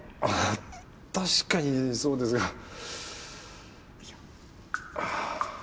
あぁ確かにそうですが。